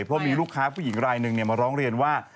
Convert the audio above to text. เพราะมีลูกค้าผู้หญิงรายหนึ่งมาร้องเรียนว่า